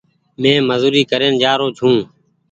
مينٚ مزوري ڪرين جآرو ڇو